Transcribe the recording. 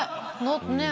ねえ。